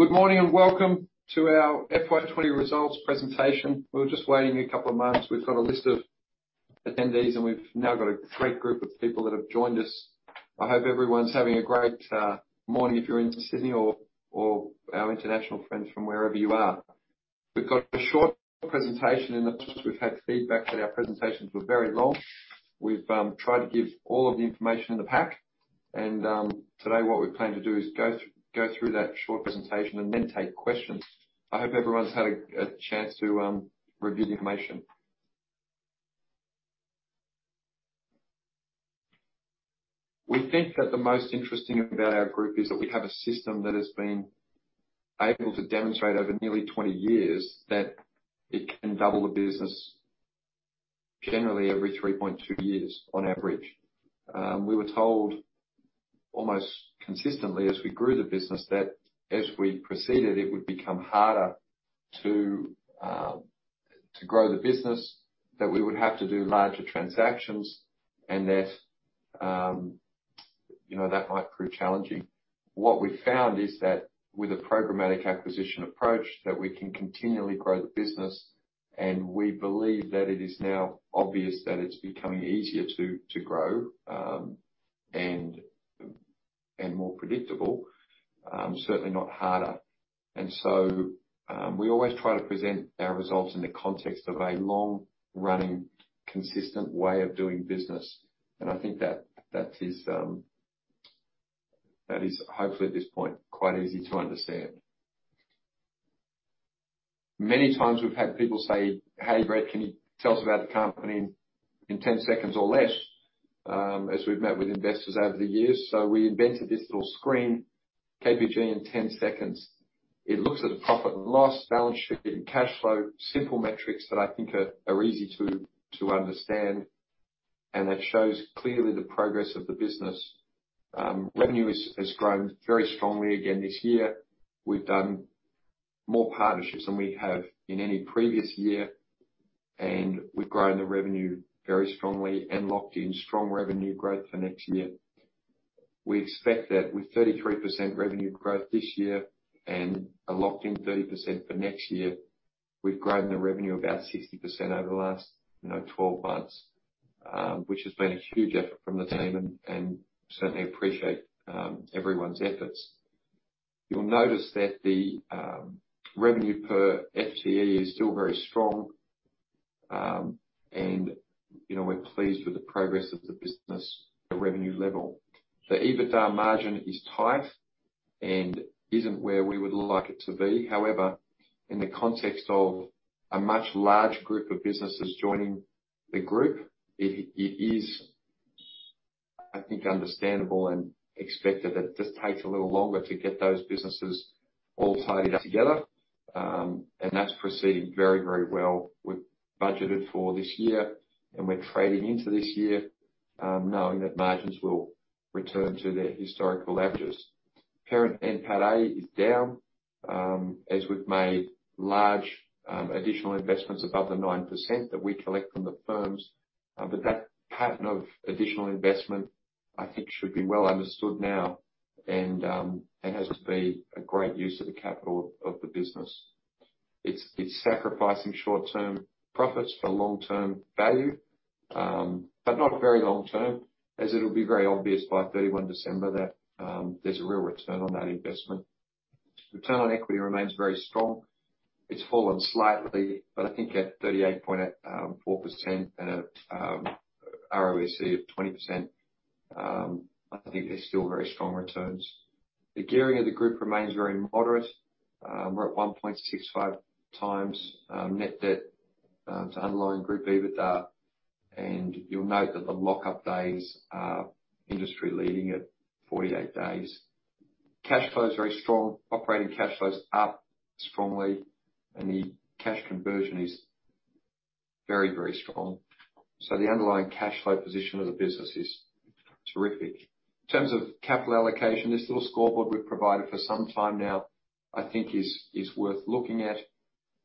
Good morning, welcome to our FY20 results presentation. We were just waiting a couple months. We've got a list of attendees, and we've now got a great group of people that have joined us. I hope everyone's having a great morning, if you're in Sydney or, or our international friends from wherever you are. We've got a short presentation, and we've had feedback that our presentations were very long. We've tried to give all of the information in the pack, and today, what we plan to do is go through that short presentation and then take questions. I hope everyone's had a chance to review the information. We think that the most interesting about our group is that we have a system that has been able to demonstrate over nearly 20 years that it can double the business generally every 3.2 years on average. We were told almost consistently as we grew the business, that as we proceeded, it would become harder to to grow the business, that we would have to do larger transactions, and that, you know, that might prove challenging. What we found is that with a programmatic acquisition approach, that we can continually grow the business, and we believe that it is now obvious that it's becoming easier to to grow, and more predictable, certainly not harder. We always try to present our results in the context of a long-running, consistent way of doing business. I think that, that is, that is hopefully, at this point, quite easy to understand. Many times we've had people say, "Hey, Brett, can you tell us about the company in 10 seconds or less?" As we've met with investors over the years. We invented this little screen, KPG in 10 seconds. It looks at the profit and loss, balance sheet and cash flow, simple metrics that I think are, are easy to, to understand, and it shows clearly the progress of the business. Revenue has, has grown very strongly again this year. We've done more partnerships than we have in any previous year, and we've grown the revenue very strongly and locked in strong revenue growth for next year. We expect that with 33% revenue growth this year and a locked-in 30% for next year, we've grown the revenue about 60% over the last, you know, 12 months. Which has been a huge effort from the team, and, and certainly appreciate everyone's efforts. You'll notice that the revenue per FTE is still very strong. And, you know, we're pleased with the progress of the business, the revenue level. The EBITDA margin is tight and isn't where we would like it to be. However, in the context of a much large group of businesses joining the group, it, it is, I think, understandable and expected that it just takes a little longer to get those businesses all tied up together. And that's proceeded very, very well. We've budgeted for this year, and we're trading into this year, knowing that margins will return to their historical averages. Parent NPATA is down, as we've made large additional investments above the 9% that we collect from the firms. That pattern of additional investment, I think, should be well understood now, and it has to be a great use of the capital of the business. It's, it's sacrificing short-term profits for long-term value, but not very long term, as it'll be very obvious by 31 December, that there's a real return on that investment. Return on equity remains very strong. It's fallen slightly, but I think at 38.4% and at ROIC of 20%, I think they're still very strong returns. The gearing of the group remains very moderate. We're at 1.65x net debt to underlying group EBITDA, and you'll note that the lock-up days are industry-leading at 48 days. Cash flow is very strong. Operating cash flow is up strongly, and the cash conversion is very, very strong. The underlying cash flow position of the business is terrific. In terms of capital allocation, this little scoreboard we've provided for some time now, I think is worth looking at.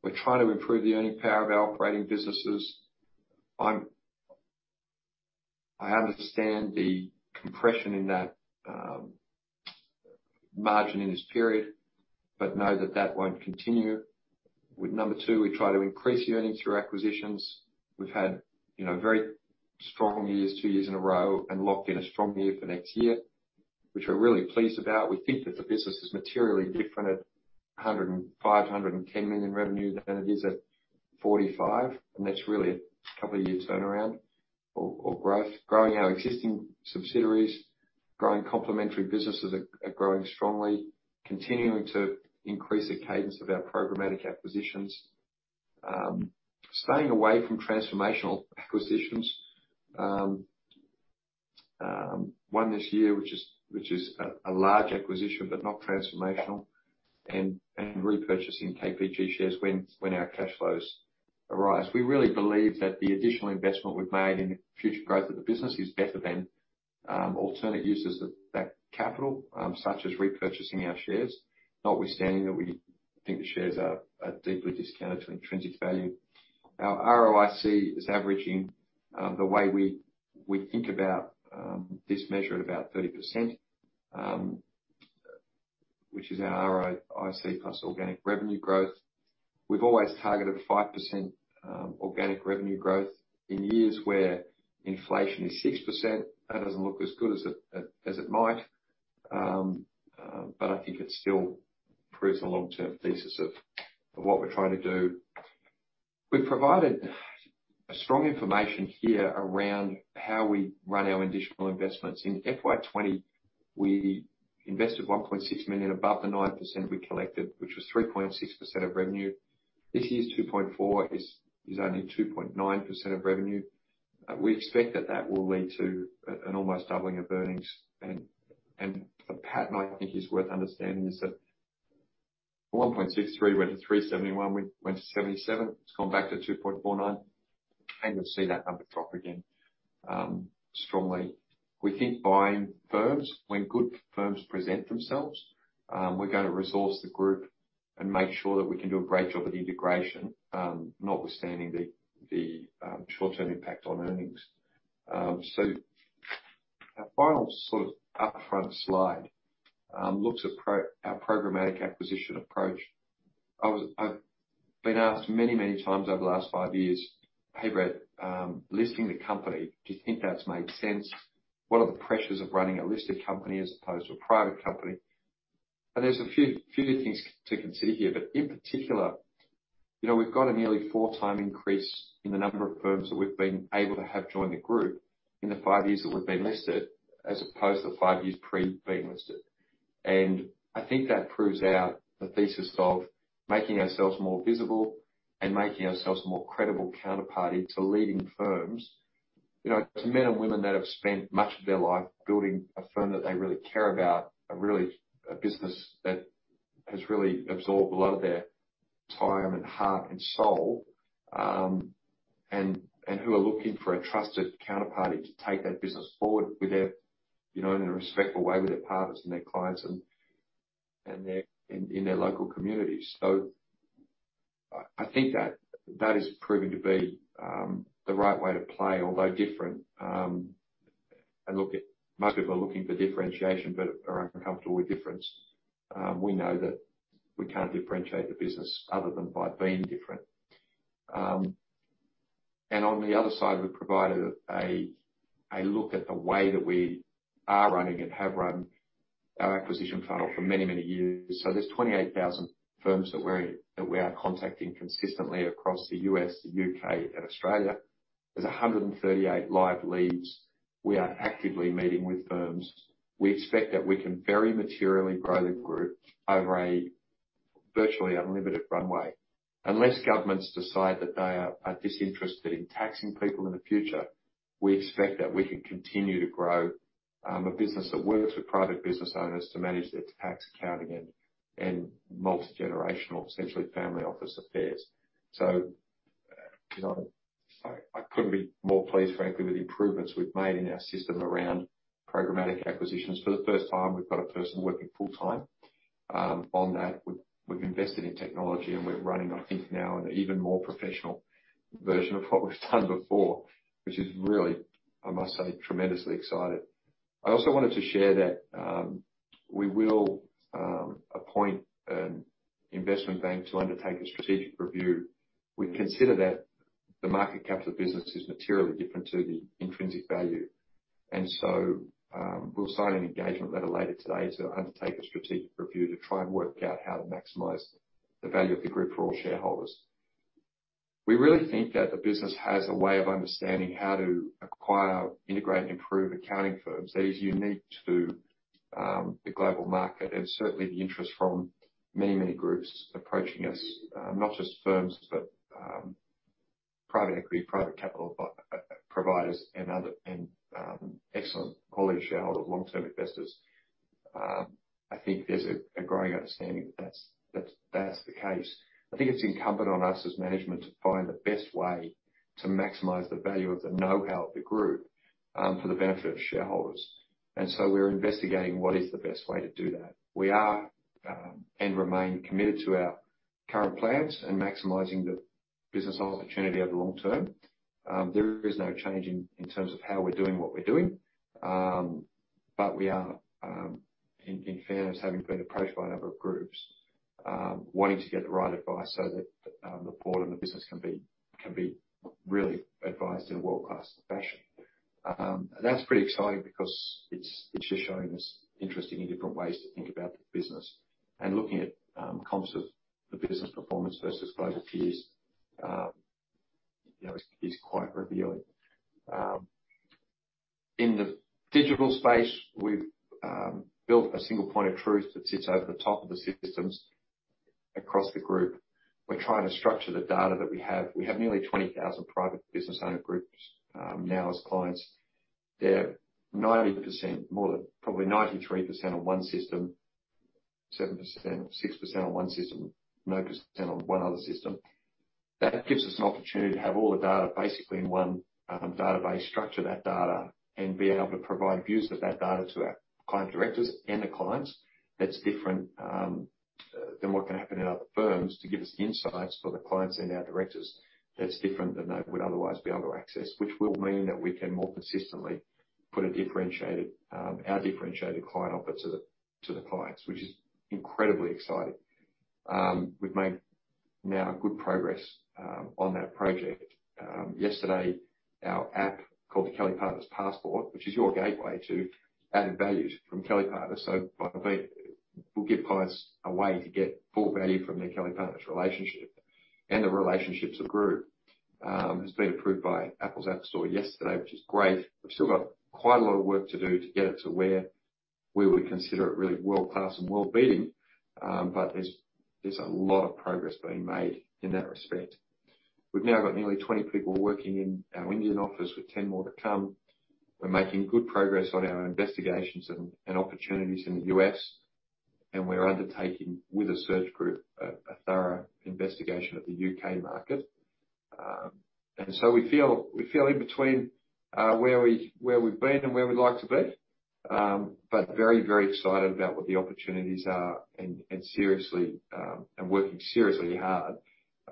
We're trying to improve the earning power of our operating businesses. I understand the compression in that margin in this period, but know that that won't continue. With number two, we try to increase earnings through acquisitions. We've had, you know, very strong years, two years in a row, and locked in a strong year for next year, which we're really pleased about. We think that the business is materially different at 105 million-110 million revenue than it is at 45 million, and that's really a couple of years turnaround or, or growth. Growing our existing subsidiaries, growing complementary businesses are, are growing strongly, continuing to increase the cadence of our programmatic acquisitions. Staying away from transformational acquisitions, one this year, which is, which is a, a large acquisition, but not transformational, and, and repurchasing KPG shares when, when our cash flows arise. We really believe that the additional investment we've made in the future growth of the business is better than alternate uses of that capital, such as repurchasing our shares, notwithstanding that we-... I think the shares are, are deeply discounted to intrinsic value. Our ROIC is averaging, the way we, we think about, this measure at about 30%, which is our ROIC plus organic revenue growth. We've always targeted 5% organic revenue growth. In years where inflation is 6%, that doesn't look as good as it, as it might. I think it still proves the long-term thesis of what we're trying to do. We've provided a strong information here around how we run our additional investments. In FY20, we invested 1.6 million above the 9% we collected, which was 3.6% of revenue. This year's 2.4 million is only 2.9% of revenue. We expect that that will lead to an almost doubling of earnings. The pattern I think is worth understanding is that 1.63 went to 371, went to 77. It's gone back to 2.49, and you'll see that number drop again, strongly. We think buying firms, when good firms present themselves, we're gonna resource the group and make sure that we can do a great job at integration, notwithstanding the, the, short-term impact on earnings. Our final sort of upfront slide looks at our programmatic acquisition approach. I've been asked many, many times over the last five years, "Hey, Brett, listing the company, do you think that's made sense? What are the pressures of running a listed company as opposed to a private company?" There's a few, few things to consider here, but in particular, you know, we've got a nearly 4x increase in the number of firms that we've been able to have join the group in the five years that we've been listed, as opposed to the five years pre being listed. I think that proves out the thesis of making ourselves more visible and making ourselves a more credible counterparty to leading firms. You know, to men and women that have spent much of their life building a firm that they really care about, a really, a business that has really absorbed a lot of their time and heart and soul, and who are looking for a trusted counterparty to take that business forward with their, you know, in a respectful way, with their partners and their clients and, and their, in, in their local communities. I, I think that, that is proving to be the right way to play, although different, and look at. Most people are looking for differentiation but are uncomfortable with difference. We know that we can't differentiate the business other than by being different. On the other side, we've provided a, a look at the way that we are running, and have run, our acquisition funnel for many, many years. There's 28,000 firms that we're, that we are contacting consistently across the U.S., the U.K. and Australia. There's 138 live leads. We are actively meeting with firms. We expect that we can very materially grow the group over a virtually unlimited runway. Unless governments decide that they are, are disinterested in taxing people in the future, we expect that we can continue to grow a business that works with private business owners to manage their tax, accounting, and, and multi-generational, essentially family office affairs. You know, I, I couldn't be more pleased, frankly, with the improvements we've made in our system around programmatic acquisitions. For the first time, we've got a person working full-time on that. We've invested in technology, we're running, I think now, an even more professional version of what we've done before, which is really, I must say, tremendously exciting. I also wanted to share that we will appoint an investment bank to undertake a strategic review. We consider that the market cap of the business is materially different to the intrinsic value. We'll sign an engagement letter later today to undertake a strategic review to try and work out how to maximize the value of the group for all shareholders. We really think that the business has a way of understanding how to acquire, integrate, and improve accounting firms that is unique to the global market, and certainly the interest from many, many groups approaching us. Not just firms, but private equity, private capital providers and excellent quality shareholder long-term investors. I think there's a growing understanding that that's, that's, that's the case. I think it's incumbent on us as management to find the best way to maximize the value of the know-how of the group for the benefit of shareholders. So we're investigating what is the best way to do that. We are and remain committed to our current plans and maximizing the business opportunity over the long term. There is no change in, in terms of how we're doing what we're doing. We are, in fairness, having been approached by a number of groups, wanting to get the right advice so that the board and the business can be, can be really advised in a world-class fashion. That's pretty exciting because it's, it's just showing us interesting and different ways to think about the business. Looking at comps of the business performance versus global peers, you know, is, is quite revealing. In the digital space, we've built a single point of truth that sits over the top of the systems across the group. We're trying to structure the data that we have. We have nearly 20,000 private business owner groups now as clients. They're 90%, more than, probably 93% on one system, 7%, 6% on one system, 9% on one other system.... That gives us an opportunity to have all the data basically in one database, structure that data, and be able to provide views of that data to our client directors and the clients. That's different than what can happen in other firms, to give us the insights for the clients and our directors. That's different than they would otherwise be able to access, which will mean that we can more consistently put a differentiated, our differentiated client offer to the, to the clients, which is incredibly exciting. We've made now good progress on that project. Yesterday, our app, called the Kelly Partners Passport, which is your gateway to added values from Kelly Partners. By the way, we'll give clients a way to get full value from their Kelly Partners relationship, and the relationships of group. Has been approved by Apple's App Store yesterday, which is great. We've still got quite a lot of work to do to get it to where we would consider it really world-class and world-leading, but there's, there's a lot of progress being made in that respect. We've now got nearly 20 people working in our Indian office, with 10 more to come. We're making good progress on our investigations and, and opportunities in the U.S., and we're undertaking, with a search group, a, a thorough investigation of the U.K. market. We feel, we feel in between, where we, where we've been and where we'd like to be. Very, very excited about what the opportunities are, and seriously, and working seriously hard,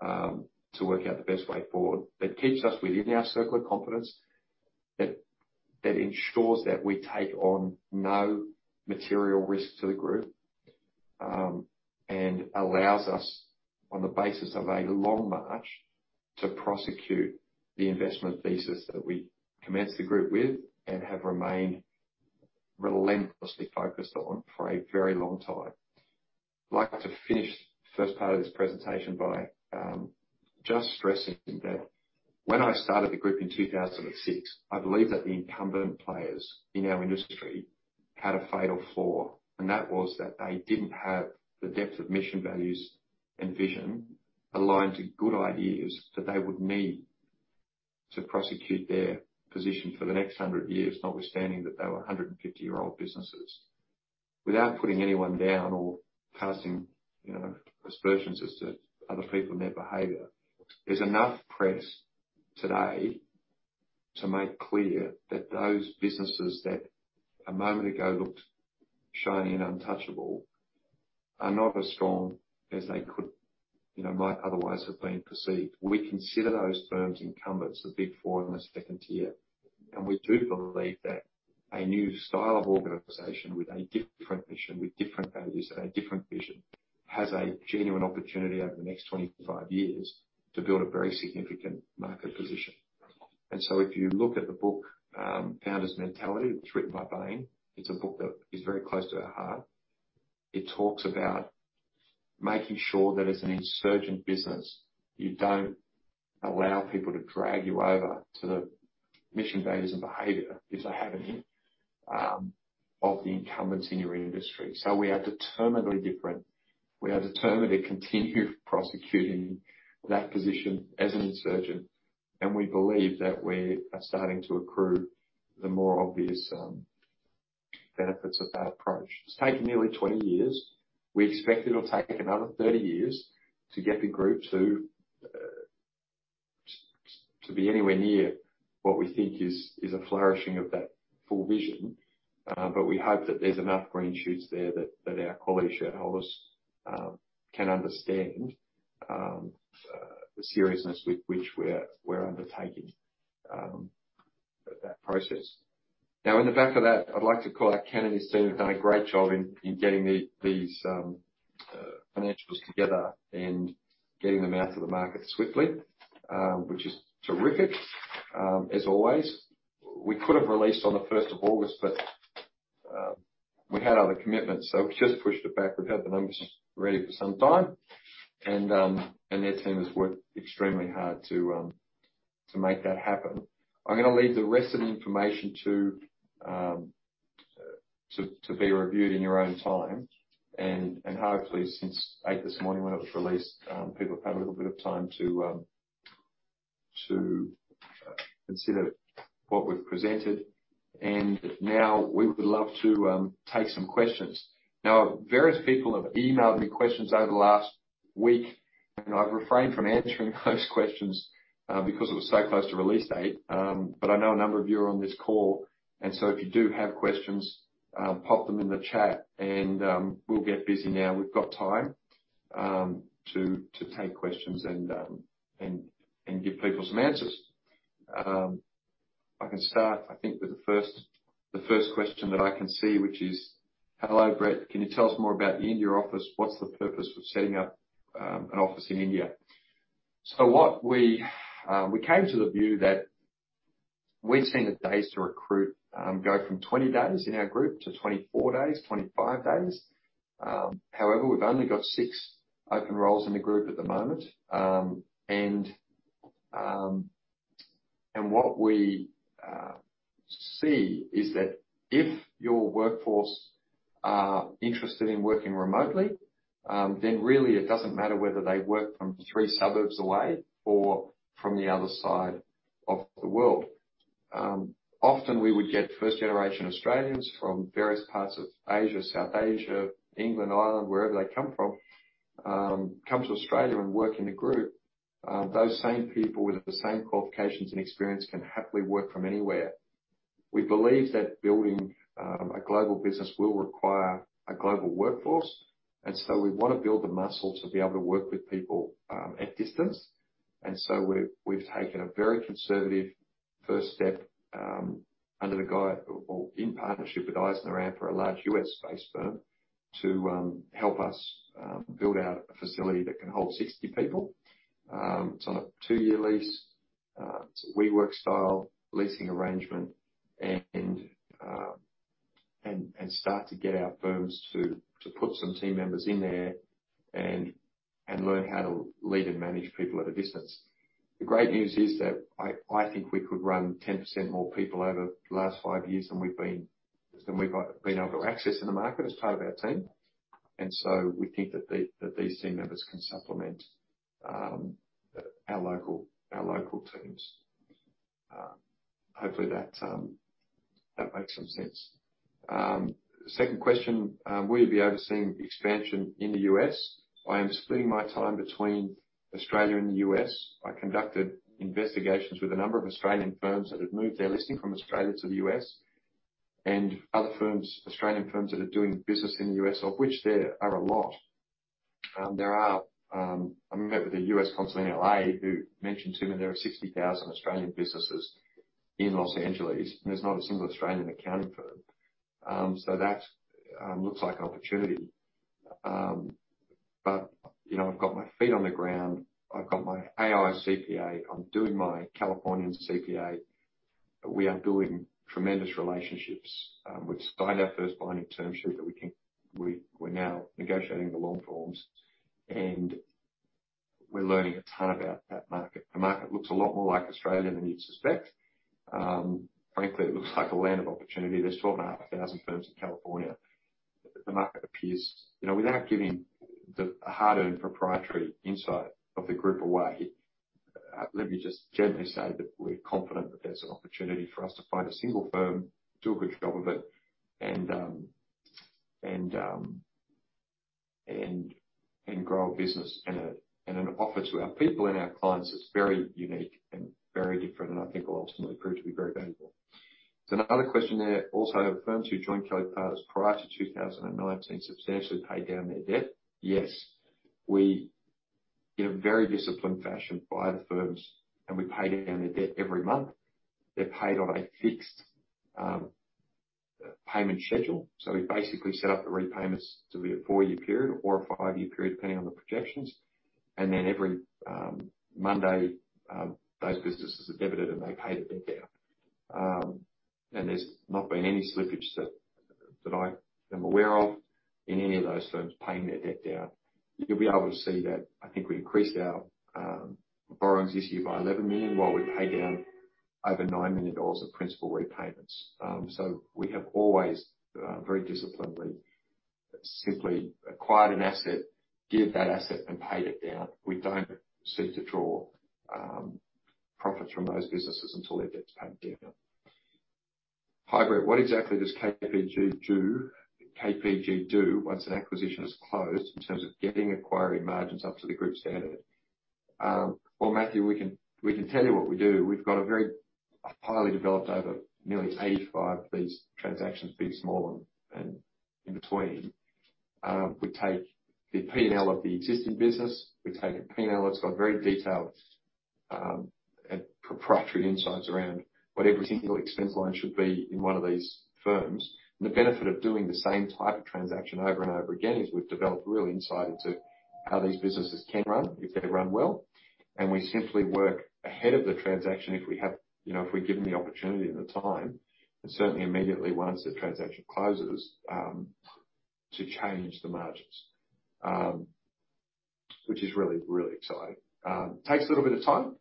to work out the best way forward, that keeps us within our circle of competence, that, that ensures that we take on no material risk to the group. Allows us, on the basis of a long march, to prosecute the investment thesis that we commenced the group with, and have remained relentlessly focused on for a very long time. I'd like to finish the first part of this presentation by just stressing that when I started the group in 2006, I believed that the incumbent players in our industry had a fatal flaw, and that was that they didn't have the depth of mission, values, and vision aligned to good ideas that they would need to prosecute their position for the next 100 years, notwithstanding that they were 150-year-old businesses. Without putting anyone down or passing, you know, aspersions as to other people and their behavior, there's enough press today to make clear that those businesses that a moment ago looked shiny and untouchable, are not as strong as they could, you know, might otherwise have been perceived. We consider those firms incumbents, the Big Four and the second tier. We do believe that a new style of organization, with a different mission, with different values, and a different vision, has a genuine opportunity over the next 25 years to build a very significant market position. If you look at the book, Founder's Mentality, it's written by Bain. It's a book that is very close to our heart. It talks about making sure that as an insurgent business, you don't allow people to drag you over to the mission, values, and behavior, if they have any, of the incumbents in your industry. We are determinedly different. We are determined to continue prosecuting that position as an insurgent, and we believe that we are starting to accrue the more obvious benefits of that approach. It's taken nearly 20 years. We expect it'll take another 30 years to get the group to, to be anywhere near what we think is, is a flourishing of that full vision. But we hope that there's enough green shoots there that, that our quality shareholders can understand the seriousness with which we're, we're undertaking that process. Now, on the back of that, I'd like to call out Ken and his team, who've done a great job in, in getting these financials together and getting them out to the market swiftly, which is terrific, as always. We could have released on the 1st of August, but we had other commitments, so we just pushed it back. We've had the numbers ready for some time, and their team has worked extremely hard to make that happen. I'm gonna leave the rest of the information to be reviewed in your own time, and hopefully, since 8:00 A.M. this morning when it was released, people have had a little bit of time to consider what we've presented. Now we would love to take some questions. Now, various people have emailed me questions over the last week, and I've refrained from answering those questions because it was so close to release date. But I know a number of you are on this call, and so if you do have questions, pop them in the chat, and we'll get busy now. We've got time to take questions and give people some answers. I can start, I think, with the first, the first question that I can see, which is: Hello, Brett, can you tell us more about the India office? What's the purpose of setting up an office in India? We came to the view that we've seen the days to recruit go from 20 days in our group to 24 days, 25 days. However, we've only got 6 open roles in the group at the moment. What we see is that if your workforce are interested in working remotely, then really it doesn't matter whether they work from 3 suburbs away or from the other side of the world.... Often we would get first generation Australians from various parts of Asia, South Asia, England, Ireland, wherever they come from, come to Australia and work in the group. Those same people with the same qualifications and experience can happily work from anywhere. We believe that building a global business will require a global workforce, and so we wanna build the muscle to be able to work with people at distance. We've taken a very conservative first step under the guide, or in partnership with EisnerAmper, a large U.S.-based firm, to help us build out a facility that can hold 60 people. It's on a 2-year lease. It's a WeWork-style leasing arrangement. Start to get our firms to put some team members in there and learn how to lead and manage people at a distance. The great news is that I think we could run 10% more people over the last five years than we've been, than we've been able to access in the market as part of our team. We think that these team members can supplement our local teams. Hopefully that makes some sense. Second question, "Will you be overseeing expansion in the U.S.?" I am splitting my time between Australia and the U.S. I conducted investigations with a number of Australian firms that have moved their listing from Australia to the U.S., and other firms, Australian firms, that are doing business in the U.S., of which there are a lot. I met with a U.S. Consulate in L.A., who mentioned to me there are 60,000 Australian businesses in Los Angeles, and there's not a single Australian accounting firm. That looks like an opportunity. You know, I've got my feet on the ground. I've got my AICPA, I'm doing my California CPA. We are building tremendous relationships. We've signed our first binding term sheet that we're now negotiating the long forms, and we're learning a ton about that market. The market looks a lot more like Australia than you'd suspect. Frankly, it looks like a land of opportunity. There's 12,500 firms in California. The market appears... You know, without giving the hard-earned proprietary insight of the group away, let me just generally say that we're confident that there's an opportunity for us to find a single firm, do a good job of it, and grow a business and an offer to our people and our clients that's very unique and very different, and I think will ultimately prove to be very valuable. There's another question there: "Also, firms who joined Kelly Partners prior to 2019, substantially paid down their debt?" Yes, we, in a very disciplined fashion, buy the firms, and we pay down their debt every month. They're paid on a fixed payment schedule. We basically set up the repayments to be a 4-year period or a five-year period, depending on the projections. Then every Monday, those businesses are debited, and they pay their debt down. There's not been any slippage that, that I am aware of in any of those firms paying their debt down. You'll be able to see that I think we increased our borrowings this year by 11 million, while we paid down over 9 million dollars of principal repayments. We have always, very disciplined, we've simply acquired an asset, geared that asset, and paid it down. We don't seek to draw profits from those businesses until their debt's paid down. "Hi, Brett. What exactly does KPG do, KPG do once an acquisition is closed, in terms of getting acquiring margins up to the group standard?" Well, Matthew, we can, we can tell you what we do. We've got a very highly developed, over nearly 85 of these transactions, big, small, and, and in between. We take the P&L of the existing business, we take a P&L that's got very detailed, and proprietary insights around what every single expense line should be in one of these firms. The benefit of doing the same type of transaction over and over again, is we've developed real insight into how these businesses can run, if they're run well, and we simply work ahead of the transaction, if we have, you know, if we're given the opportunity and the time, and certainly immediately, once the transaction closes, to change the margins. Which is really, really exciting. Takes a little bit of time.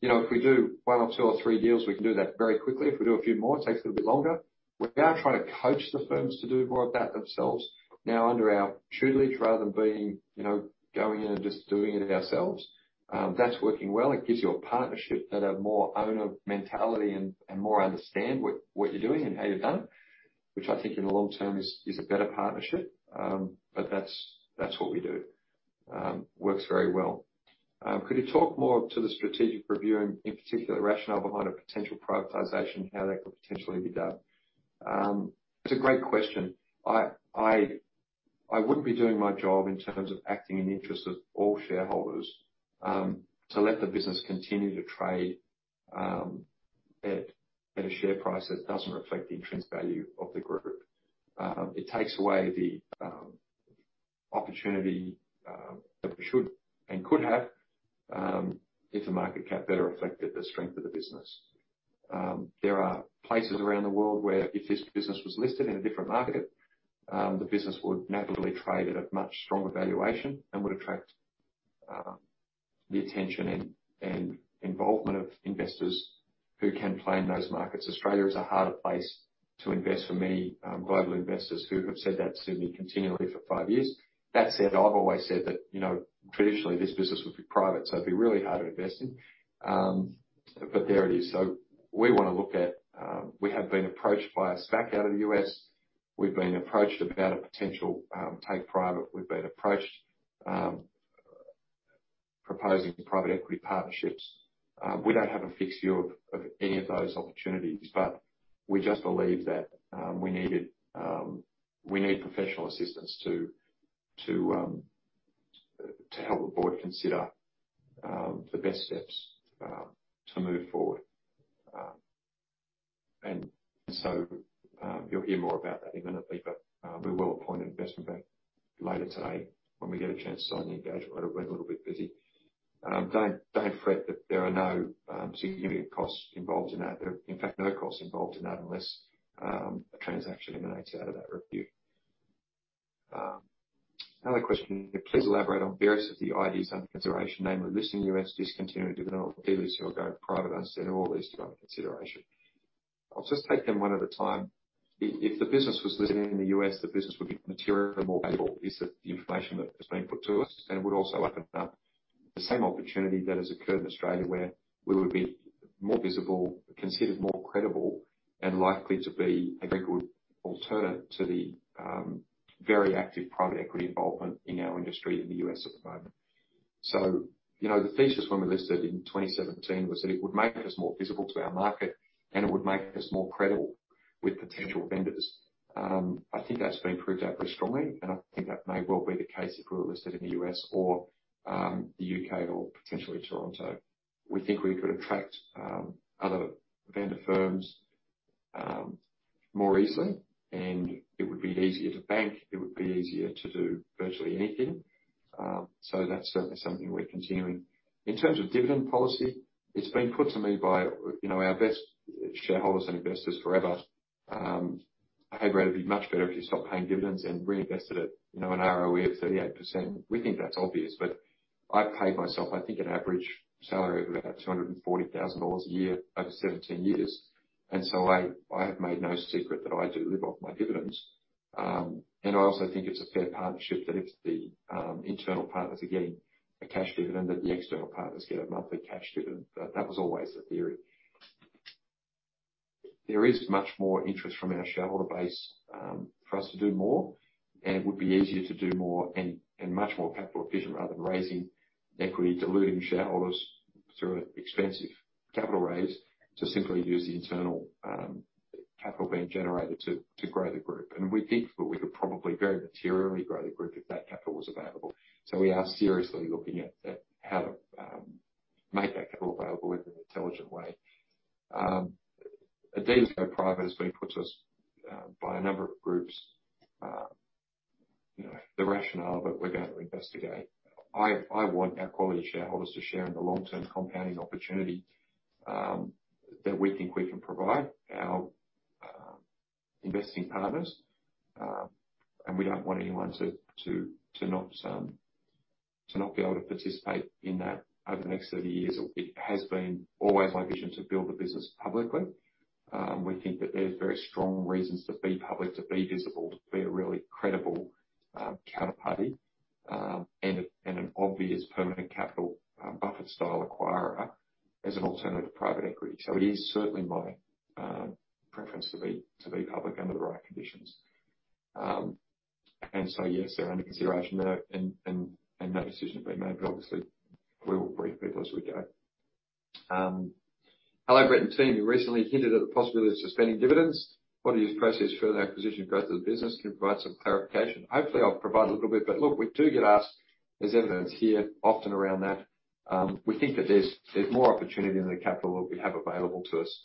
You know, if we do one or two or three deals, we can do that very quickly. If we do a few more, it takes a little bit longer. We're now trying to coach the firms to do more of that themselves, now under our tutelage, rather than being, you know, going in and just doing it ourselves. That's working well. It gives you a partnership that have more owner mentality and, and more understand what, what you're doing and how you've done it, which I think in the long term is, is a better partnership. That's, that's what we do. Works very well. Could you talk more to the strategic review, and in particular, the rationale behind a potential privatization and how that could potentially be done?" It's a great question. I, I, I wouldn't be doing my job in terms of acting in the interest of all shareholders, to let the business continue to trade, at, at a share price that doesn't reflect the intrinsic value of the group. It takes away the opportunity that we should and could have, if the market cap better reflected the strength of the business. There are places around the world where, if this business was listed in a different market, the business would naturally trade at a much stronger valuation and would attract the attention and, and involvement of investors who can play in those markets. Australia is a harder place-... to invest for many global investors who have said that to me continually for five years. That said, I've always said that, you know, traditionally, this business would be private, so it'd be really hard to invest in. There it is. We want to look at. We have been approached by a SPAC out the U.S. We've been approached about a potential take private. We've been approached, proposing private equity partnerships. We don't have a fixed view of, of any of those opportunities, but we just believe that we needed, we need professional assistance to, to help the board consider the best steps to move forward. You'll hear more about that imminently, but we will appoint an investment bank later today when we get a chance to sign the engagement letter. We're a little bit busy. Don't, don't fret, that there are no significant costs involved in that. There are, in fact, no costs involved in that, unless a transaction emanates out of that review. Another question: Please elaborate on various of the ideas under consideration, namely, listing US, discontinuing dividend or go private, I understand all these are under consideration. I'll just take them one at a time. If, if the business was listed in the U.S., the business would be materially more valuable, is the information that has been put to us, and would also open up the same opportunity that has occurred in Australia, where we would be more visible, considered more credible, and likely to be a very good alternative to the, very active private equity involvement in our industry in the U.S. at the moment. You know, the thesis when we listed in 2017 was that it would make us more visible to our market, and it would make us more credible with potential vendors. I think that's been proved out very strongly, and I think that may well be the case if we were listed in the U.S. or, the U.K. or potentially Toronto. We think we could attract other vendor firms more easily, and it would be easier to bank, it would be easier to do virtually anything. That's certainly something we're continuing. In terms of dividend policy, it's been put to me by, you know, our best shareholders and investors forever. "Hey, Brett, it'd be much better if you stopped paying dividends and reinvested it. You know, an ROE of 38%." We think that's obvious, but I've paid myself, I think, an average salary of about 240,000 dollars a year over 17 years, and so I, I have made no secret that I do live off my dividends. I also think it's a fair partnership, that if the internal partners are getting a cash dividend, that the external partners get a monthly cash dividend. That was always the theory. There is much more interest from our shareholder base, for us to do more, and it would be easier to do more and, and much more capital efficient, rather than raising equity, diluting shareholders through an expensive capital raise, to simply use the internal, capital being generated to, to grow the group. We think that we could probably very materially grow the group if that capital was available. We are seriously looking at how to make that capital available in an intelligent way. A de-go private has been put to us, by a number of groups. you know, the rationale that we're going to investigate. I want our quality shareholders to share in the long-term compounding opportunity, that we think we can provide our, investing partners. We don't want anyone to not be able to participate in that over the next 30 years. It has been always my vision to build the business publicly. We think that there's very strong reasons to be public, to be visible, to be a really credible counterparty, and an obvious permanent capital Buffett-style acquirer, as an alternative to private equity. It is certainly my preference to be public under the right conditions. Yes, they're under consideration, no decision has been made, but obviously we will brief people as we go. "Hello, Brett and team. You recently hinted at the possibility of suspending dividends. What are your processes for further acquisition growth of the business? Can you provide some clarification?" Hopefully, I'll provide a little bit, but look, we do get asked, there's evidence here often around that. We think that there's, there's more opportunity than the capital that we have available to us.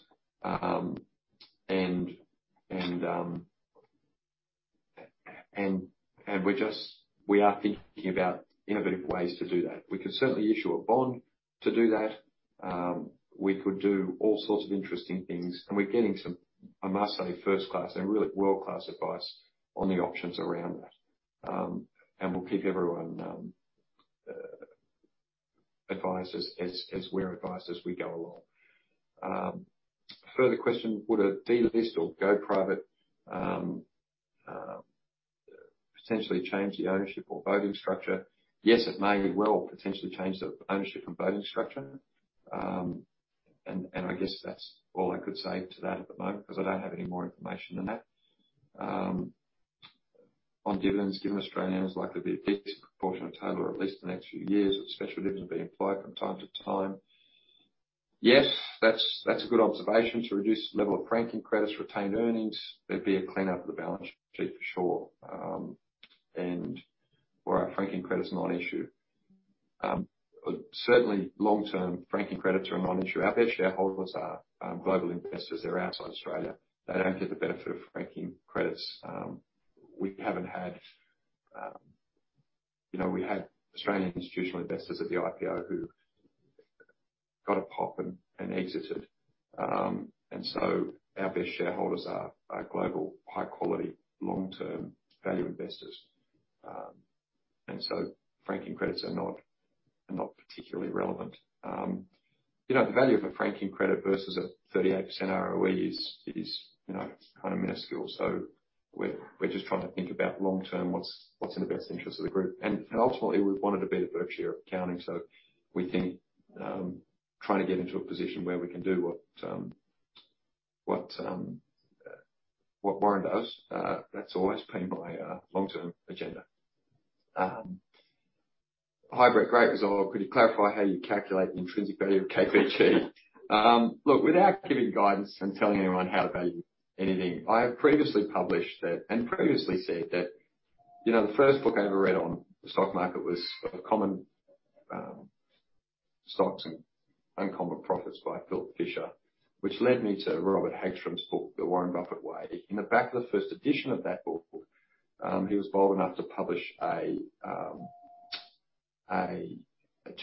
We are thinking about innovative ways to do that. We could certainly issue a bond to do that. We could do all sorts of interesting things, and we're getting some, I must say, first-class and really world-class advice on the options around that. We'll keep everyone advised as we're advised, as we go along. Further question: "Would a delist or go private potentially change the ownership or voting structure?" Yes, it may well potentially change the ownership and voting structure. I guess that's all I could say to that at the moment, because I don't have any more information than that. On dividends, "Given Australian is likely to be a disproportionate total, or at least the next few years, with special dividends being applied from time to time." Yes, that's, that's a good observation. To reduce the level of franking credits, retained earnings, there'd be a cleanup of the balance sheet for sure, and where our franking credit is non-issue. Certainly long-term, franking credits are a non-issue. Our best shareholders are global investors. They're outside Australia. They don't get the benefit of franking credits. We haven't had, you know, we had Australian institutional investors at the IPO who got a pop and exited. Our best shareholders are global quality long-term value investors. Franking credits are not, are not particularly relevant. You know, the value of a franking credit versus a 38% ROE is, is, you know, kind of minuscule. We're, we're just trying to think about long term, what's, what's in the best interest of the group. Ultimately, we wanted to be at Berkshire accounting, so we can try to get into a position where we can do what, what Warren does. That's always been my long-term agenda. Hi, Brett. Great result. Could you clarify how you calculate the intrinsic value of KPG? Look, without giving guidance and telling anyone how to value anything, I have previously published that, and previously said that, you know, the first book I ever read on the stock market was Common Stocks and Uncommon Profits by Philip Fisher, which led me to Robert Hagstrom's book, The Warren Buffett Way. In the back of the first edition of that book, he was bold enough to publish a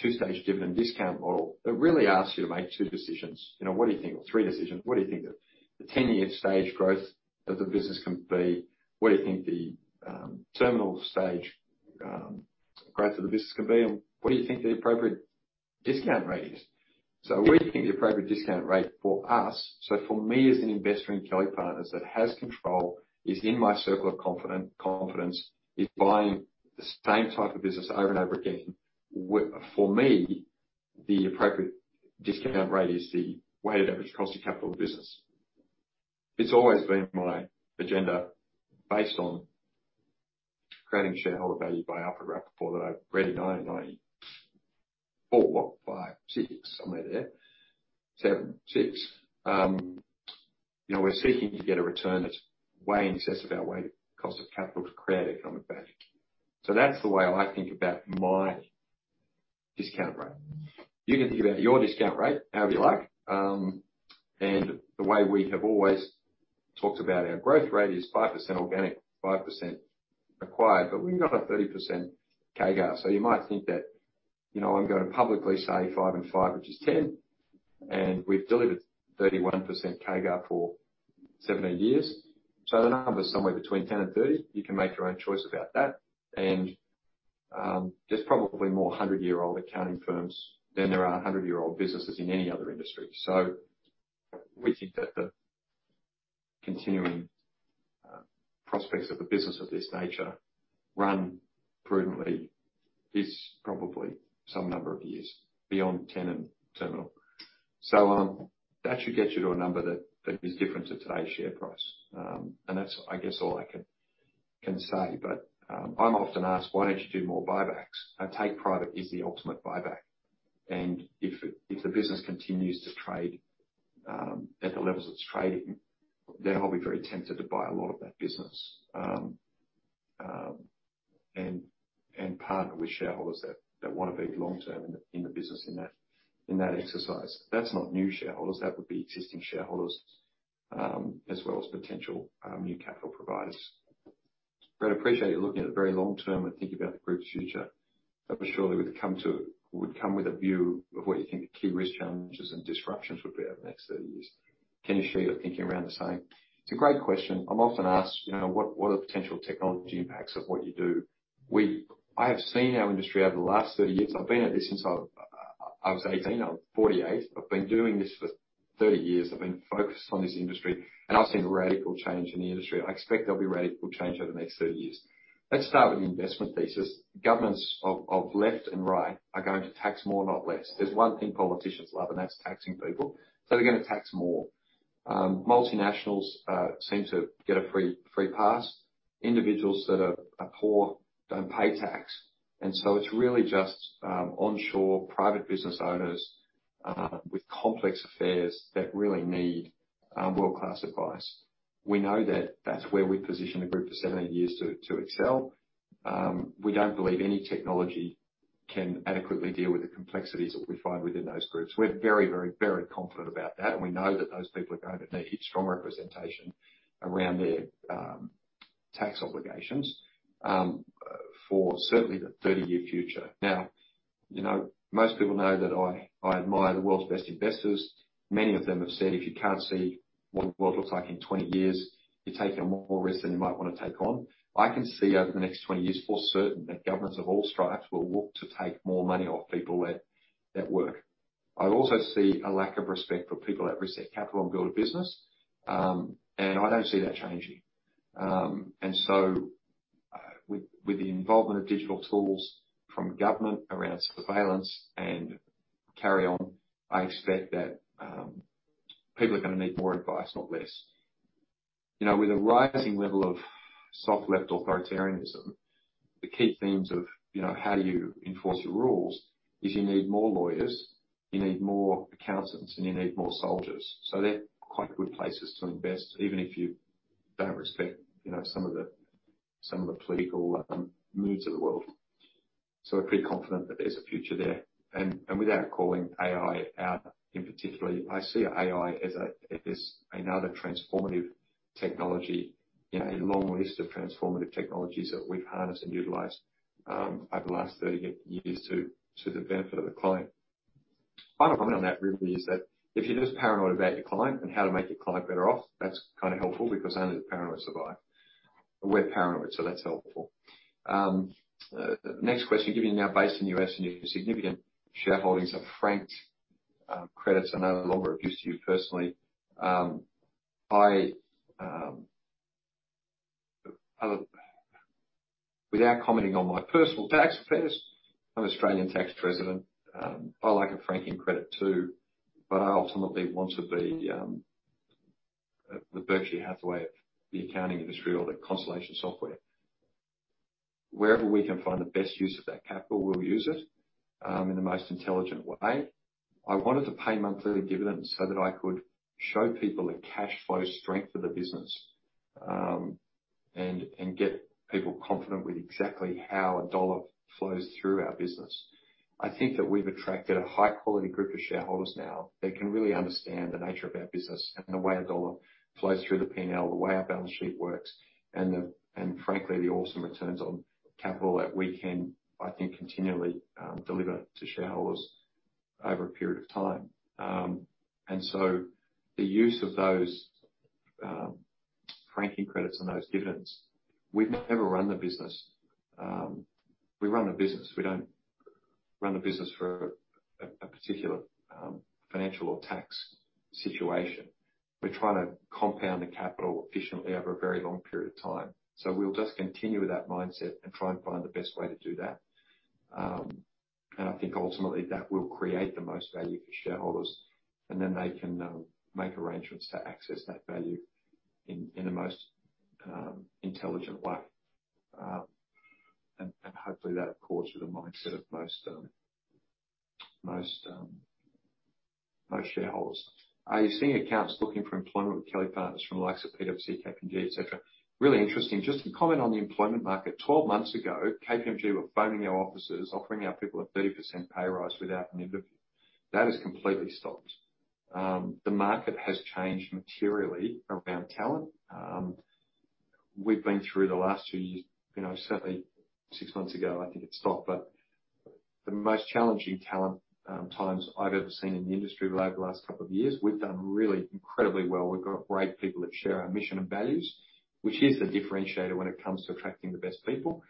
two-stage dividend discount model that really asks you to make two decisions. You know, what do you think? Or three decisions. What do you think the 10-year stage growth of the business can be? What do you think the terminal stage growth of the business can be? What do you think the appropriate discount rate is? What do you think the appropriate discount rate for us... For me, as an investor in Kelly Partners that has control, is in my circle of competence, is buying the same type of business over and over again, for me, the appropriate discount rate is the weighted average cost of capital of the business. It's always been my agenda, based on creating shareholder value by Alfred Rappaport, that I read in 1994, what, five, six, somewhere there. seven, six. You know, we're seeking to get a return that's way in excess of our weighted cost of capital to create economic value. That's the way I think about my discount rate. You can think about your discount rate however you like. And the way we have always talked about our growth rate is 5% organic, 5% acquired, but we've got a 30% CAGR. You might think that, you know, I'm going to publicly say five and five, which is 10, and we've delivered 31% CAGR for 17 years. The number's somewhere between 10 and 30. You can make your own choice about that. There's probably more 100-year-old accounting firms than there are 100-year-old businesses in any other industry. We think that the continuing prospects of a business of this nature, run prudently, is probably some number of years beyond 10 and terminal. That should get you to a number that, that is different to today's share price. That's, I guess, all I can, can say, but, I'm often asked, "Why don't you do more buybacks?" A take private is the ultimate buyback, and if, if the business continues to trade, at the levels it's trading, then I'll be very tempted to buy a lot of that business. Partner with shareholders that, that want to be long-term in the, in the business, in that, in that exercise. That's not new shareholders, that would be existing shareholders, as well as potential, new capital providers. Brett, appreciate you looking at the very long term and thinking about the group's future. That surely would come with a view of what you think the key risk, challenges, and disruptions would be over the next 30 years. Can you share your thinking around the same? It's a great question. I'm often asked, you know, what, what are the potential technology impacts of what you do? I have seen our industry over the last 30 years. I've been at this since I, I was 18. I'm 48. I've been doing this for 30 years. I've been focused on this industry. I've seen radical change in the industry. I expect there'll be radical change over the next 30 years. Let's start with the investment thesis. Governments of left and right are going to tax more, not less. There's one thing politicians love. That's taxing people. They're going to tax more. Multinationals seem to get a free, free pass. Individuals that are, are poor don't pay tax. It's really just onshore private business owners with complex affairs that really need world-class advice. We know that that's where we've positioned the group for 17 years to excel. We don't believe any technology can adequately deal with the complexities that we find within those groups. We're very, very, very confident about that, and we know that those people are going to need strong representation around their tax obligations for certainly the 30-year future. You know, most people know that I admire the world's best investors. Many of them have said, "If you can't see what the world looks like in 20 years, you're taking on more risk than you might want to take on." I can see over the next 20 years, for certain, that governments of all stripes will look to take more money off people that, that work. I also see a lack of respect for people that risk their capital and build a business, and I don't see that changing. With, with the involvement of digital tools from government around surveillance and carry on, I expect that people are going to need more advice, not less. You know, with a rising level of soft left authoritarianism, the key themes of, you know, how do you enforce the rules, is you need more lawyers, you need more accountants, and you need more soldiers. They're quite good places to invest, even if you don't respect, you know, some of the, some of the political moods of the world. We're pretty confident that there's a future there. Without calling AI out in particular, I see AI as another transformative technology in a long list of transformative technologies that we've harnessed and utilized over the last 30 years to the benefit of the client. Final comment on that really is that if you're just paranoid about your client and how to make your client better off, that's kind of helpful, because only the paranoid survive. We're paranoid, so that's helpful. The next question, given you're now based in the U.S., and your significant shareholdings of franked credits are no longer of use to you personally. Without commenting on my personal tax affairs, I'm an Australian tax resident. I like a franking credit, too, but I ultimately want to be the Berkshire Hathaway of the accounting industry or the Constellation Software. Wherever we can find the best use of that capital, we'll use it in the most intelligent way. I wanted to pay monthly dividends so that I could show people the cash flow strength of the business, and get people confident with exactly how a dollar flows through our business. I think that we've attracted a high quality group of shareholders now, that can really understand the nature of our business and the way a dollar flows through the P&L, the way our balance sheet works, and the. Frankly, the awesome returns on capital that we can, I think, continually deliver to shareholders over a period of time. So the use of those franking credits and those dividends, we've never run the business. We run a business. We don't run a business for a particular financial or tax situation. We're trying to compound the capital efficiently over a very long period of time. We'll just continue with that mindset and try and find the best way to do that. I think ultimately that will create the most value for shareholders, and then they can make arrangements to access that value in, in the most intelligent way. Hopefully that accords with the mindset of most, most, most shareholders. Are you seeing accountants looking for employment with Kelly Partners from the likes of PwC, KPMG, et cetera? Really interesting. Just to comment on the employment market, 12 months ago, KPMG were phoning our offices, offering our people a 30% pay rise without an interview. That has completely stopped. The market has changed materially around talent. We've been through the last two years, certainly six months ago, I think it stopped, but the most challenging talent times I've ever seen in the industry over the last couple of years, we've done really incredibly well. We've got great people that share our mission and values, which is a differentiator when it comes to attracting the best people.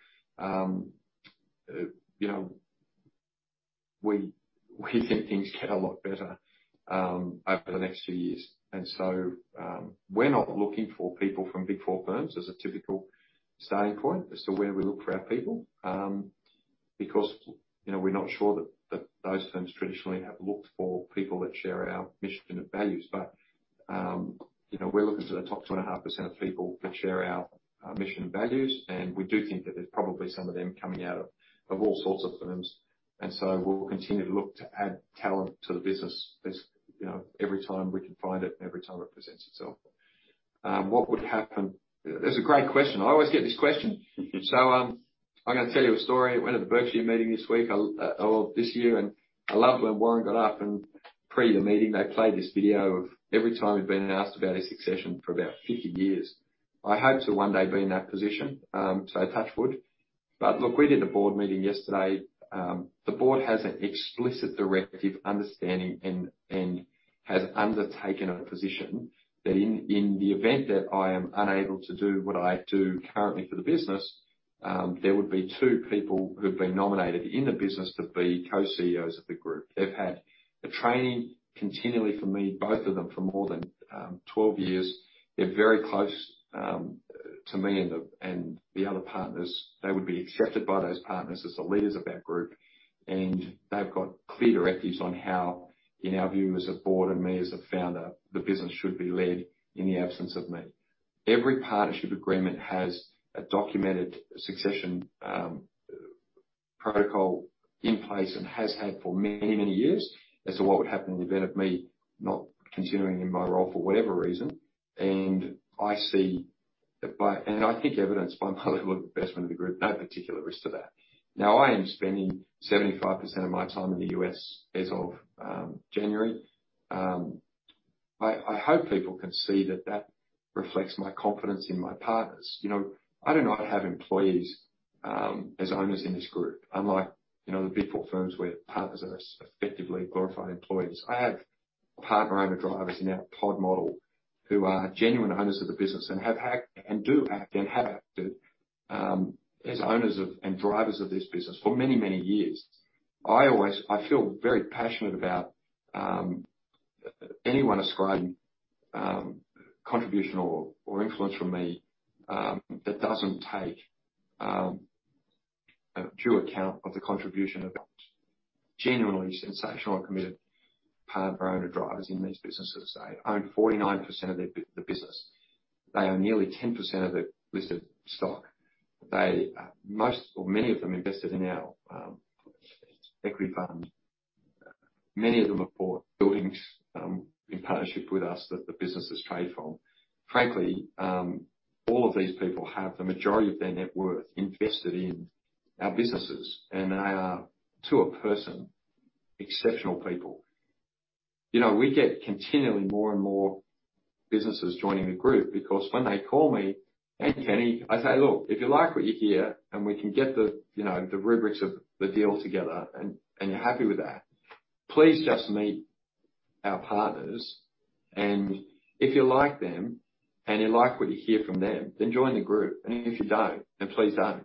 We think things get a lot better over the next few years. So, we're not looking for people from Big Four firms as a typical starting point as to where we look for our people, because we're not sure that those firms traditionally have looked for people that share our mission and values. you know, we're looking to the top 2.5% of people that share our, our mission and values, and we do think that there's probably some of them coming out of, of all sorts of firms. we'll continue to look to add talent to the business, as, you know, every time we can find it and every time it presents itself. What would happen? That's a great question. I always get this question. I'm going to tell you a story. I went to the Berkshire Hathaway Annual Meeting this week, or this year, and I loved when Warren Buffett got up and pre the meeting, they played this video of every time he'd been asked about his succession for about 50 years. I hope to one day be in that position, so touch wood. Look, we did a board meeting yesterday. The board has an explicit directive, understanding, and, and has undertaken a position that in, in the event that I am unable to do what I do currently for the business, there would be two people who've been nominated in the business to be co-CEOs of the group. They've had the training continually from me, both of them, for more than 12 years. They're very close to me and the, and the other partners. They would be accepted by those partners as the leaders of our group, and they've got clear directives on how, in our view, as a board and me as a founder, the business should be led in the absence of me. Every partnership agreement has a documented succession, protocol in place and has had for many, many years as to what would happen in the event of me not continuing in my role for whatever reason. I think, evidenced by my level of investment in the group, no particular risk to that. I am spending 75% of my time in the U.S. as of January. I hope people can see that that reflects my confidence in my partners. You know, I do not have employees, as owners in this group, unlike, you know, the Big Four firms, where partners are effectively glorified employees. I have partner-owner drivers in our pod model who are genuine owners of the business and have act- and do act and have acted as owners of and drivers of this business for many, many years. I always, I feel very passionate about anyone ascribing contribution or, or influence from me that doesn't take a due account of the contribution of our genuinely sensational and committed partner-owner drivers in these businesses. They own 49% of the, the business. They own nearly 10% of the listed stock. They, most or many of them, invested in our equity fund. Many of them have bought buildings in partnership with us that the businesses trade from. Frankly, all of these people have the majority of their net worth invested in our businesses, and they are, to a person, exceptional people. You know, we get continually more and more businesses joining the group, because when they call me, "Hey, Kenny," I say, "Look, if you like what you hear, and we can get the, you know, the rubrics of the deal together, and you're happy with that, please just meet our partners. If you like them, and you like what you hear from them, join the group. If you don't, please don't."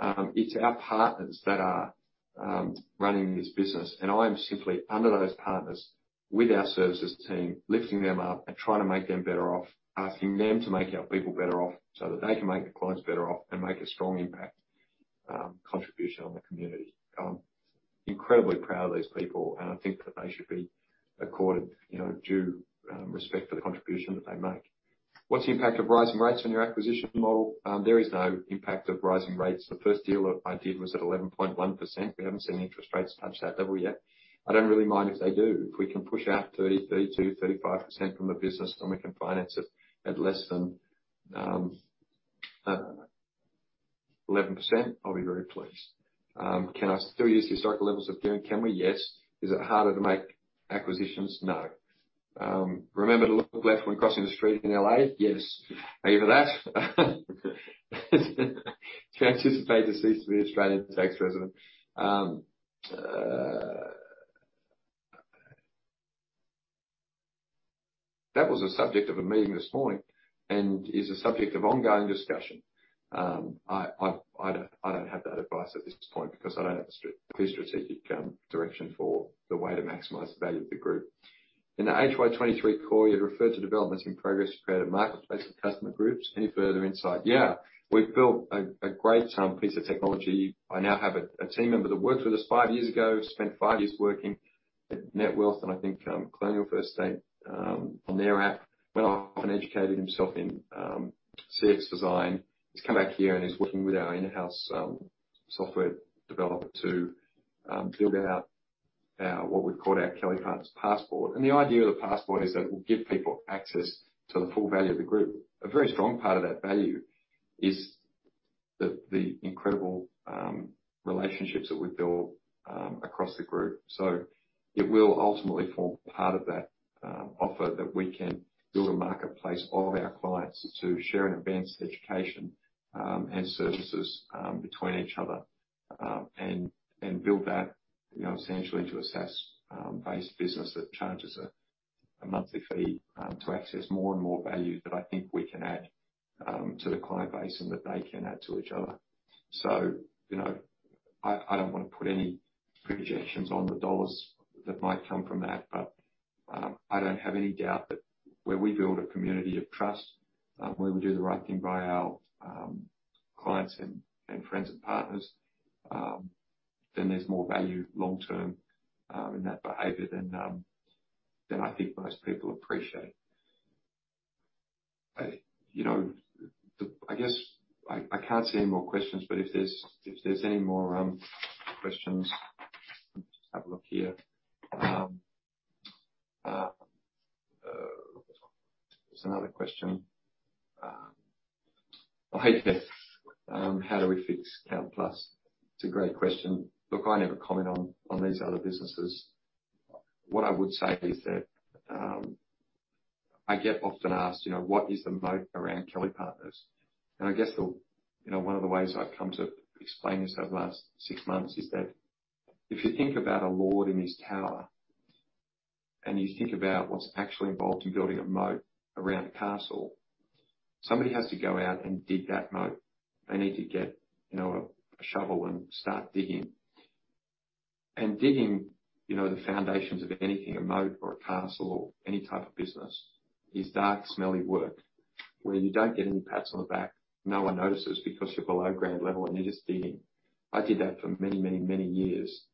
It's our partners that are running this business, and I am simply under those partners, with our services team, lifting them up and trying to make them better off, asking them to make our people better off, so that they can make the clients better off, and make a strong impact, contribution on the community. I'm incredibly proud of these people, and I think that they should be accorded, you know, due respect for the contribution that they make. What's the impact of rising rates on your acquisition model? There is no impact of rising rates. The first deal that I did was at 11.1%. We haven't seen interest rates touch that level yet. I don't really mind if they do. If we can push out 30%, 32%, 35% from the business, and we can finance it at less than 11%, I'll be very pleased. Can I still use historical levels of gearing? Can we? Yes. Is it harder to make acquisitions? No. Remember to look left when crossing the street in L.A.? Yes. Thank you for that. Do you anticipate to cease to be an Australian tax resident? That was a subject of a meeting this morning, and is a subject of ongoing discussion. I don't have that advice at this point, because I don't have the clear strategic direction for the way to maximize the value of the group. In the HY23 core, you referred to developments in progress to create a marketplace of customer groups. Any further insight? Yeah, we've built a great piece of technology. I now have a team member that worked with us five years ago, spent five years working at Netwealth, and I think Colonial First State on their app. Went off and educated himself in CX design. He's come back here, and is working with our in-house software developer to build out our, what we've called our Kelly Partners Passport. The idea of the Kelly Partners Passport is that it will give people access to the full value of the group. A very strong part of that value is the, the incredible relationships that we've built across the group. It will ultimately form part of that offer, that we can build a marketplace of our clients to share in advanced education and services between each other. And build that, you know, essentially into a SaaS based business, that charges a monthly fee to access more and more value that I think we can add to the client base, and that they can add to each other. You know, I, I don't want to put any projections on the dollars that might come from that, but I don't have any doubt that where we build a community of trust, where we do the right thing by our clients and friends and partners, then there's more value long term in that behavior than than I think most people appreciate. You know, I guess, I, I can't see any more questions, but if there's, if there's any more questions, let me just have a look here. There's another question. How do we fix CountPlus? It's a great question. Look, I never comment on, on these other businesses. What I would say is that I get often asked, you know, what is the moat around Kelly Partners? I guess the, you know, one of the ways I've come to explain this over the last six months is that, if you think about a lord in his tower, and you think about what's actually involved in building a moat around a castle, somebody has to go out and dig that moat. They need to get, you know, a shovel and start digging. Digging, you know, the foundations of anything, a moat or a castle or any type of business, is dark, smelly work, where you don't get any pats on the back. No one notices because you're below ground level, and you're just digging. I did that for many, many, many years.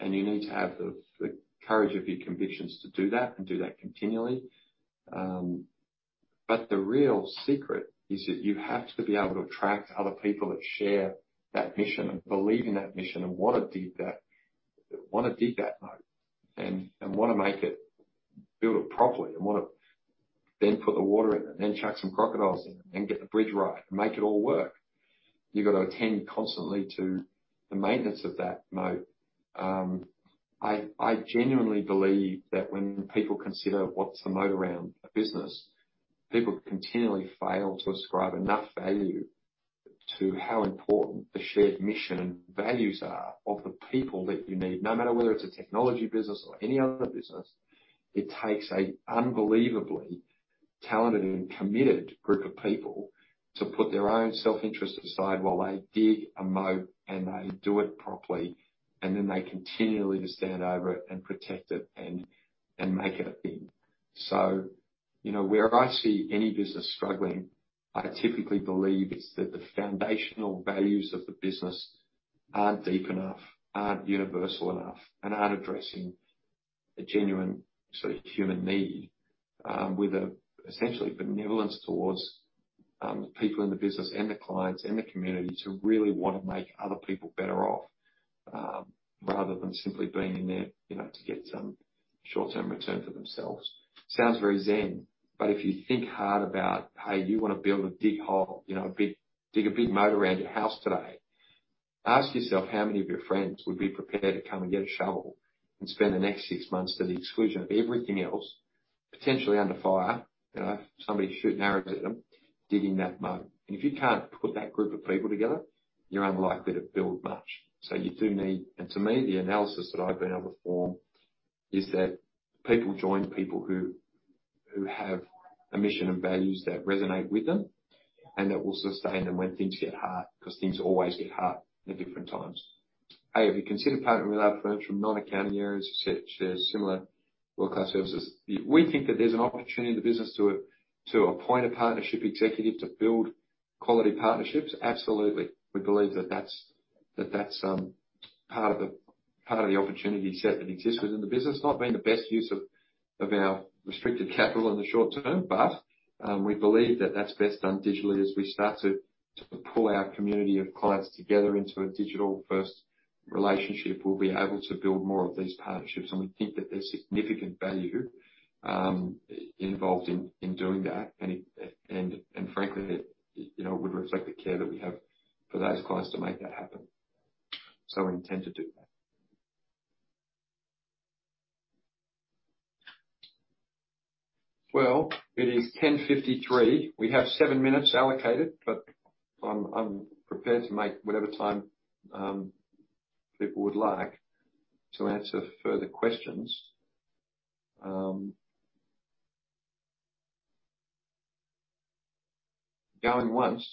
You need to have the, the courage of your convictions to do that, and do that continually. The real secret is that you have to be able to attract other people that share that mission, and believe in that mission, and want to dig that moat, and want to make it, build it properly, and want to then put the water in it, then chuck some crocodiles in, and get the bridge right, and make it all work. You've got to attend constantly to the maintenance of that moat. I, I genuinely believe that when people consider what's the moat around a business, people continually fail to ascribe enough value to how important the shared mission and values are of the people that you need. No matter whether it's a technology business or any other business, it takes a unbelievably talented and committed group of people to put their own self-interest aside, while they dig a moat, and they do it properly, and then they continually to stand over it and protect it, and, and make it a thing. You know, where I see any business struggling, I typically believe it's that the foundational values of the business aren't deep enough, aren't universal enough, and aren't addressing a genuine, sort of, human need, with a essentially benevolence towards, the people in the business, and the clients, and the community, to really want to make other people better off, rather than simply being in there, you know, to get some short-term return for themselves. Sounds very Zen, if you think hard about how you want to build a big hole, you know, dig a big moat around your house today. Ask yourself, how many of your friends would be prepared to come and get a shovel and spend the next six months, to the exclusion of everything else, potentially under fire, you know, if somebody's shooting arrows at them, digging that moat? If you can't put that group of people together, you're unlikely to build much. You do need-- To me, the analysis that I've been able to form is that people join people who, who have a mission and values that resonate with them, and that will sustain them when things get hard, because things always get hard at different times. Have you considered partnering with other firms from non-accounting areas to set share similar world-class services? We think that there's an opportunity in the business to appoint a partnership executive to build quality partnerships. Absolutely. We believe that that's part of the opportunity set that exists within the business. Not being the best use of our restricted capital in the short term, but we believe that that's best done digitally. As we start to pull our community of clients together into a digital-first relationship, we'll be able to build more of these partnerships. We think that there's significant value involved in doing that. Frankly, it, you know, would reflect the care that we have for those clients to make that happen. We intend to do that. Well, it is 10:53. We have seven minutes allocated, but I'm prepared to make whatever time, people would like to answer further questions. Going once.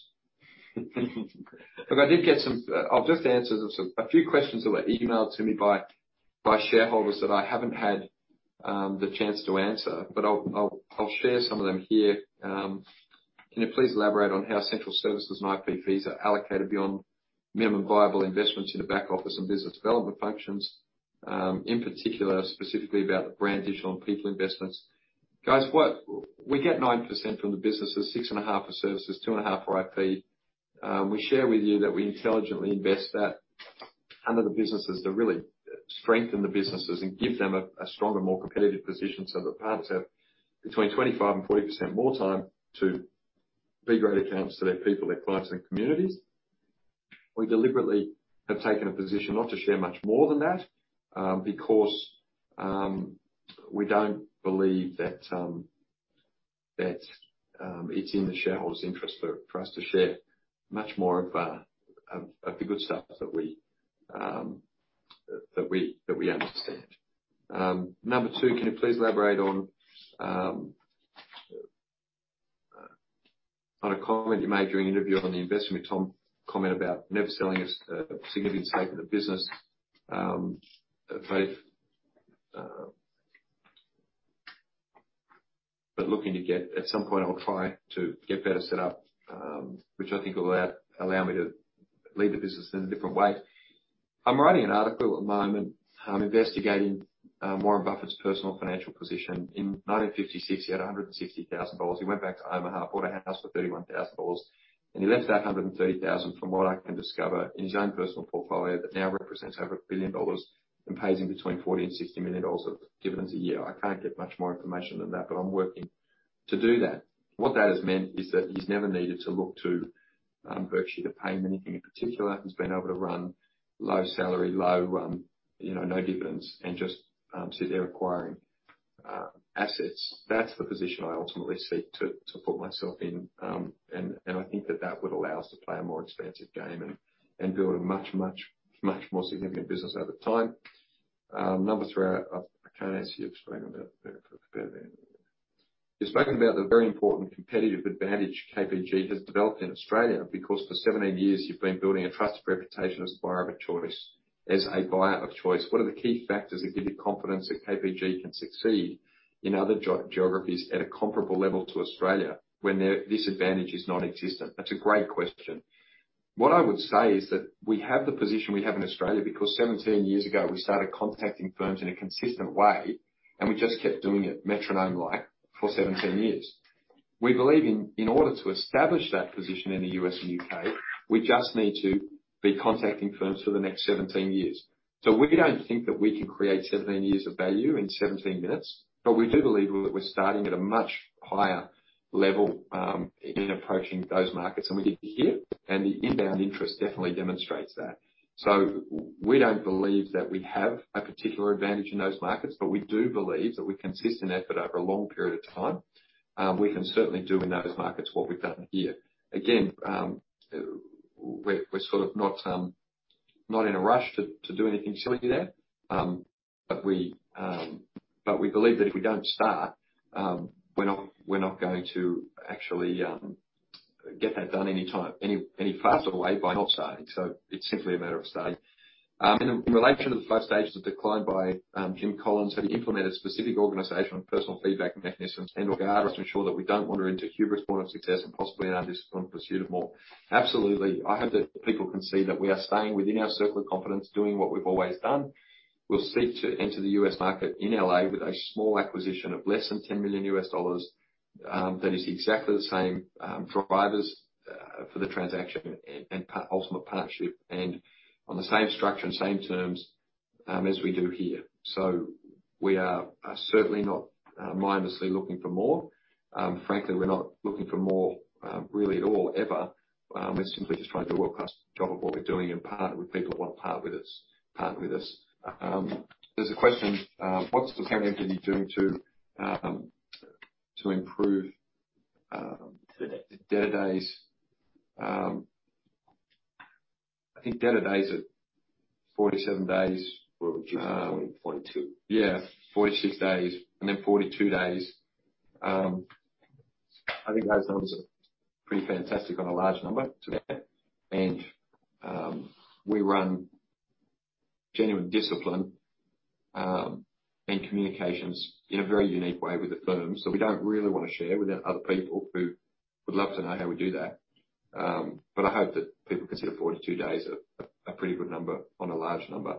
Look, I did get some... I'll just answer some, a few questions that were emailed to me by shareholders that I haven't had the chance to answer, but I'll share some of them here. Can you please elaborate on how central services and IP fees are allocated beyond minimum viable investments in the back office and business development functions, in particular, specifically about the brand, digital, and people investments? Guys, what... We get 9% from the businesses, 6.5% for services, 2.5% for IP. We share with you that we intelligently invest that under the businesses to really strengthen the businesses and give them a stronger, more competitive position, so the partners have between 25% and 40% more time to be great accounts to their people, their clients, and communities. We deliberately have taken a position not to share much more than that, because we don't believe that it's in the shareholders' interest for us to share much more of the good stuff that we that we that we understand. Number two, can you please elaborate on a comment you made during an interview on the investment with Tom, comment about never selling a significant stake in the business? Looking to get, at some point, I'll try to get better set up, which I think will allow, allow me to lead the business in a different way. I'm writing an article at the moment. I'm investigating Warren Buffett's personal financial position. In 1956, he had $160,000. He went back to Omaha, bought a house for $31,000, and he left that $130,000, from what I can discover, in his own personal portfolio, that now represents over $1 billion and pays him between $40 million-$60 million of dividends a year. I can't get much more information than that, but I'm working to do that. What that has meant is that he's never needed to look to Berkshire to pay him anything in particular. He's been able to run low salary, low, you know, no dividends, and just sit there acquiring assets. That's the position I ultimately seek to, to put myself in. I think that that would allow us to play a more expansive game and build a much, much, much more significant business over time. Number three, I, I can't actually explain about that better. You've spoken about the very important competitive advantage KPG has developed in Australia, because for 17 years you've been building a trusted reputation as a buyer of choice. As a buyer of choice, what are the key factors that give you confidence that KPG can succeed in other geographies at a comparable level to Australia, when their disadvantage is non-existent? That's a great question. What I would say is that we have the position we have in Australia because 17 years ago, we started contacting firms in a consistent way, and we just kept doing it metronome-like for 17 years. We believe in, in order to establish that position in the U.S. and U.K., we just need to be contacting firms for the next 17 years. We don't think that we can create 17 years of value in 17 minutes, but we do believe that we're starting at a much higher level in approaching those markets. We get here, and the inbound interest definitely demonstrates that. We don't believe that we have a particular advantage in those markets, but we do believe that with consistent effort over a long period of time, we can certainly do in those markets what we've done here. Again, we're sort of not, not in a rush to, to do anything silly there. But we believe that if we don't start, we're not, we're not going to actually get that done any faster way by not starting. It's simply a matter of starting. In, in relation to the Five Stages of Decline by Jim Collins, have you implemented specific organizational and personal feedback mechanisms and/or guardrails to ensure that we don't wander into hubris born of success and possibly our discipline in pursuit of more? Absolutely. I hope that people can see that we are staying within our circle of competence, doing what we've always done. We'll seek to enter the U.S. market in L.A. with a small acquisition of less than $10 million. That is exactly the same providers for the transaction and ultimate partnership, and on the same structure and same terms as we do here. We are, are certainly not mindlessly looking for more. Frankly, we're not looking for more really at all, ever. We're simply just trying to do a world-class job of what we're doing and partner with people who want to partner with us, partner with us. There's a question, what's the current entity doing to to improve- debtor days. Debtor days? I think debtor days are 47 days. We're reducing to 42. Yeah, 46 days and then 42 days. I think that sounds pretty fantastic on a large number today. We run genuine discipline and communications in a very unique way with the firm, so we don't really want to share with the other people who would love to know how we do that. But I hope that people consider 42 days a, a pretty good number on a large number.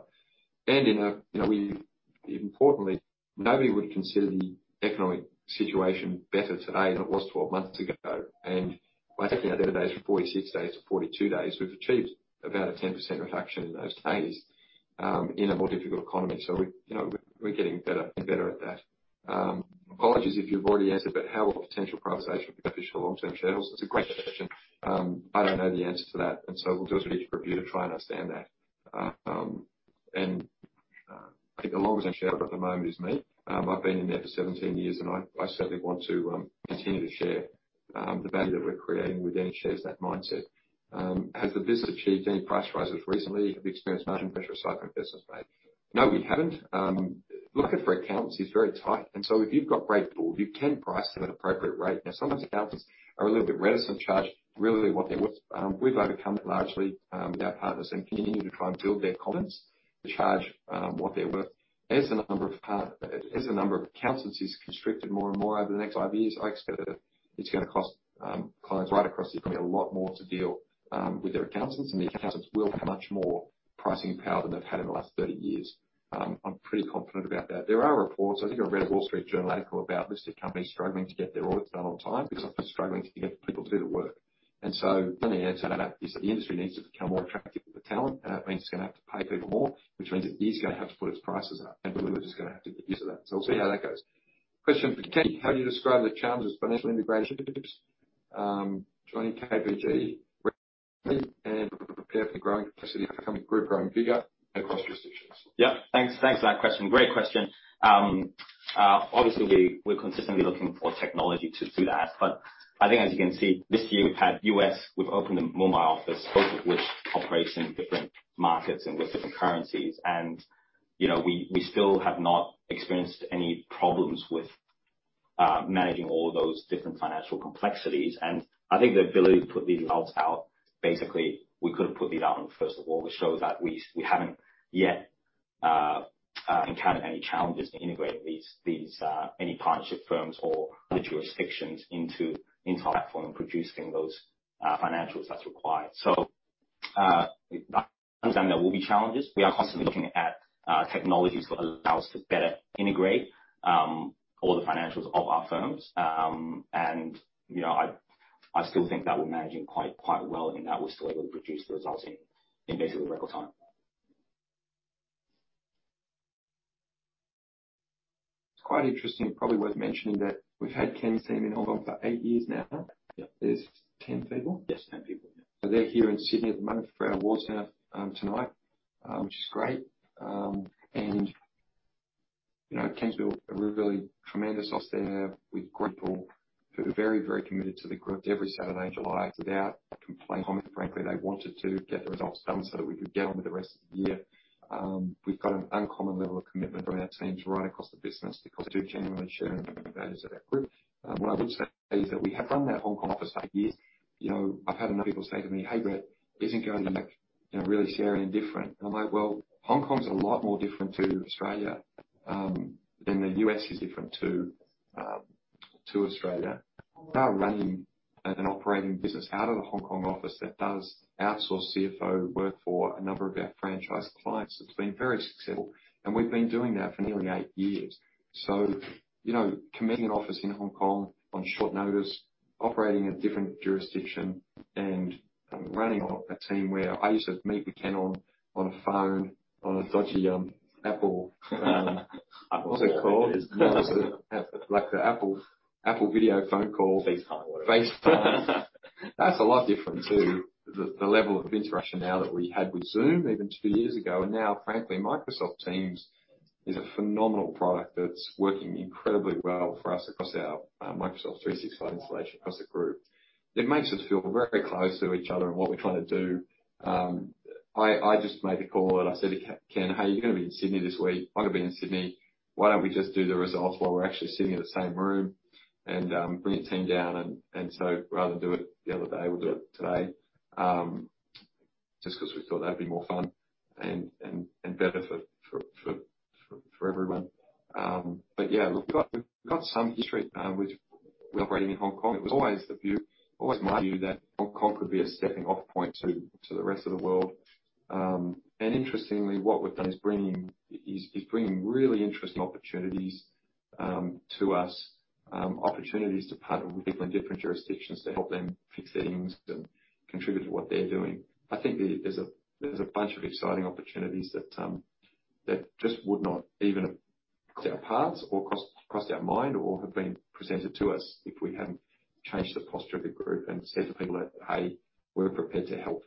In a, you know, importantly, nobody would consider the economic situation better today than it was 12 months ago. By taking our debtor days from 46 days to 42 days, we've achieved about a 10% reduction in those days in a more difficult economy. We, you know, we're getting better and better at that. Apologies if you've already answered, but how will potential privatization be beneficial to long-term shareholders? It's a great question. I don't know the answer to that, and so we'll do as we need to review to try and understand that. I think the long-term shareholder at the moment is me. I've been in there for 17 years, and I, I certainly want to continue to share the value that we're creating with any shares in that mindset. Has the business achieved any price rises recently? Have you experienced margin pressure aside from business rate? No, we haven't. Looking for accounts is very tight, and so if you've got great pool, you can price them at appropriate rate. Now, some of those accountants are a little bit reticent to charge really what they're worth. We've overcome it largely with our partners and continue to try and build their confidence to charge what they're worth. As the number of accountants is constricted more and more over the next five years, I expect that it's going to cost clients right across the economy a lot more to deal with their accountants, and the accountants will have much more pricing power than they've had in the last 30 years. I'm pretty confident about that. There are reports, I think I read a Wall Street Journal article about listed companies struggling to get their audits done on time because they're struggling to get people to do the work. The only answer to that is the industry needs to become more attractive to talent, and that means it's going to have to pay people more, which means it is going to have to put its prices up, and we're just going to have to get used to that. We'll see how that goes. Question for Ken: How do you describe the challenges of financial integration, joining KPG, and prepare for the growing capacity of becoming group growing bigger across jurisdictions? Yeah. Thanks, thanks for that question. Great question. Obviously, we, we're consistently looking for technology to do that, but I think as you can see, this year we've had U.S., we've opened a Mumbai office, both of which operates in different markets and with different currencies. You know, we, we still have not experienced any problems with managing all those different financial complexities. I think the ability to put these results out, basically, we could have put these out on the first of all, which shows that we, we haven't yet encountered any challenges to integrate these, these any partnership firms or other jurisdictions into, into our platform and producing those financials that's required. There will be challenges. We are constantly looking at technologies that allow us to better integrate all the financials of our firms. You know, I, I still think that we're managing quite, quite well, and that we're still able to produce the results in, in basically record time. It's quite interesting, probably worth mentioning, that we've had Ken's team in Hong Kong for eight years now. Yeah. There's 10 people? Yes, 10 people. They're here in Sydney at the moment for our awards night tonight, which is great. And you know, Ken's built a really tremendous office there with great people who are very, very committed to the group. Every Saturday in July, without complaining, frankly, they wanted to get the results done so that we could get on with the rest of the year. We've got an uncommon level of commitment from our teams right across the business because they do genuinely share in the values of our group. What I would say is that we have run that Hong Kong office for 8 years. You know, I've had enough people say to me, "Hey, Brett, isn't going back, you know, really scary and different?" I'm like, "Well, Hong Kong is a lot more different to Australia than the U.S. is different to, to Australia." We are running an operating business out of the Hong Kong office that does outsource CFO work for a number of our franchise clients. It's been very successful, and we've been doing that for nearly eight years. You know, committing an office in Hong Kong on short notice, operating a different jurisdiction, and running a team where I used to meet with Ken on, on a phone, on a dodgy, Apple, what's it called? Yes. Like, the Apple, Apple video phone call. FaceTime. FaceTime. That's a lot different to the, the level of interaction now that we had with Zoom even two years ago. Now, frankly, Microsoft Teams is a phenomenal product that's working incredibly well for us across our Microsoft 365 installation across the group. It makes us feel very close to each other and what we're trying to do. I, I just made a call and I said to Ken, "Hey, you're going to be in Sydney this week. I'm going to be in Sydney. Why don't we just do the results while we're actually sitting in the same room and bring your team down?" So rather than do it the other day, we'll do it today, just 'cause we thought that'd be more fun and better for everyone. Yeah, look, we've got, we've got some history, with operating in Hong Kong. It was always the view, always my view, that Hong Kong could be a stepping-off point to, to the rest of the world. Interestingly, what we've done is bringing really interesting opportunities to us, opportunities to partner with people in different jurisdictions to help them fix their things and contribute to what they're doing. I think there, there's a, there's a bunch of exciting opportunities that just would not even cross our paths or cross, cross our mind or have been presented to us if we hadn't changed the posture of the group and said to people that, "Hey, we're prepared to help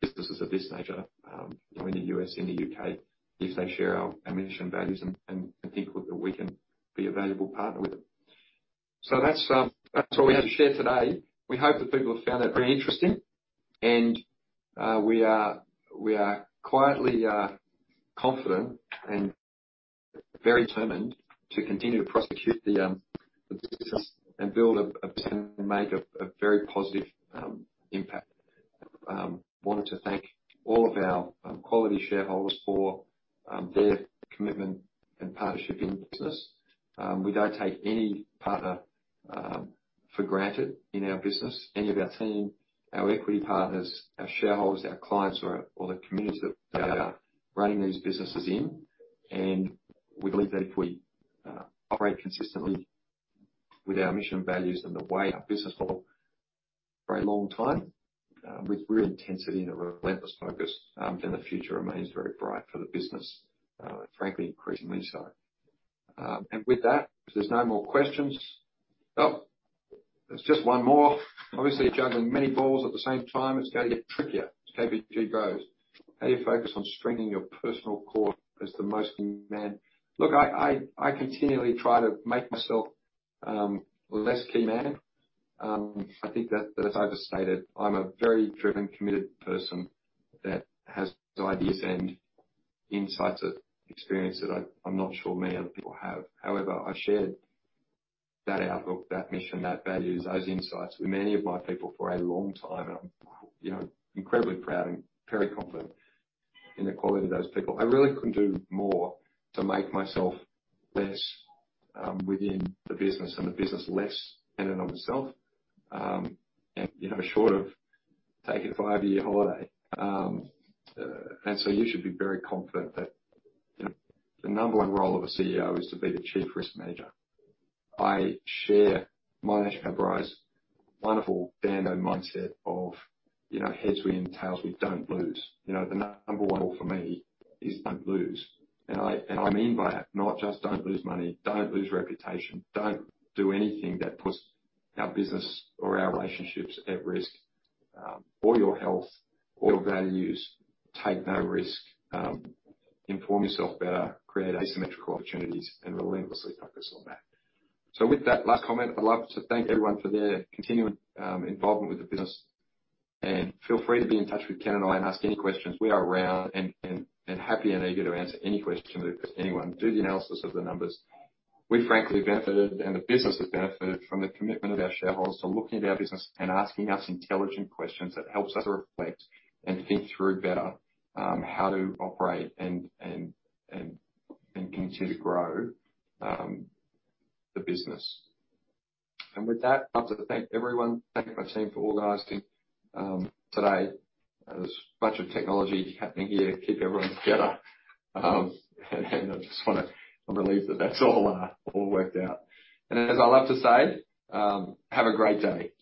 businesses of this nature in the U.S. and the U.K., if they share our mission, values, and, and people that we can be a valuable partner with." That's all we have to share today. We hope that people have found that very interesting, and we are quietly confident and very determined to continue to prosecute the business and build a business and make a very positive impact. Wanted to thank all of our quality shareholders for their commitment and partnership in the business. We don't take any partner for granted in our business, any of our team, our equity partners, our shareholders, our clients, or the communities that we are running these businesses in. We believe that if we operate consistently with our mission, values, and the way our business for a very long time, with real intensity and a relentless focus, then the future remains very bright for the business, frankly, increasingly so. With that, if there's no more questions. Oh, there's just one more. Obviously, juggling many balls at the same time, it's going to get trickier as KPG grows. How do you focus on strengthening your personal core as the most key man? Look, I, I, I continually try to make myself less key man. I think that, that's overstated. I'm a very driven, committed person that has ideas and insights of experience that I, I'm not sure many other people have. However, I've shared that outlook, that mission, that values, those insights with many of my people for a long time, and I'm, you know, incredibly proud and very confident in the quality of those people. I really couldn't do more to make myself less within the business and the business less dependent on myself, and, you know, short of taking a five-year holiday. So you should be very confident that, you know, the number one role of a CEO is to be the Chief Risk Manager. I share Mohnish Pabrai's wonderful Dhandho mindset of, you know, heads we win, tails we don't lose. You know, the number one role for me is don't lose. I mean by that, not just don't lose money, don't lose reputation, don't do anything that puts our business or our relationships at risk, or your health or your values. Take no risk. Inform yourself better, create asymmetrical opportunities, and relentlessly focus on that. With that last comment, I'd love to thank everyone for their continuing involvement with the business, and feel free to be in touch with Ken and I, and ask any questions. We are around and happy and eager to answer any question that anyone... Do the analysis of the numbers. We frankly benefited, and the business has benefited from the commitment of our shareholders to looking at our business and asking us intelligent questions. That helps us reflect and think through better, how to operate and, and, and, and continue to grow, the business. With that, I'd love to thank everyone. Thank my team for organizing today. There's a bunch of technology happening here to keep everyone together. I'm relieved that that's all all worked out. As I love to say, have a great day.